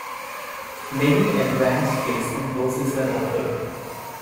Many Advanced Placement courses are offered.